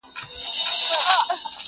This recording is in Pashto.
ورښودلي خپل استاد وه څو شعرونه؛